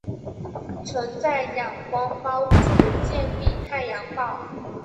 曾在仰光帮助建立太阳报。